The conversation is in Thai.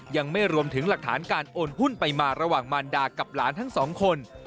ยังไม่รวมถึงหลักฐานการโอนหุ้นไปมาระหว่างมารดากับหลานทั้งสองคน